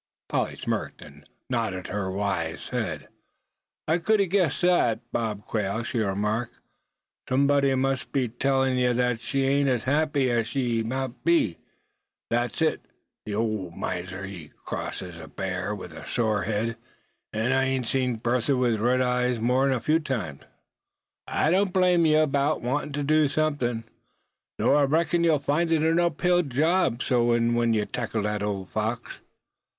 Polly smirked, and nodded her wise head. "I cud a guessed thet, Bob Quail," she remarked. "Sumbody must a ben tellin' ye thet she ain't as happy as she mout be, thet's it. The old miser, he's cross as a bear with a sore head; an' I seen Bertha with red eyes more'n a few times. I don't blame ye 'bout wantin' to do somethin'; though I reckons ye'll find it a up hill job, w'en ye tackle thet old fox."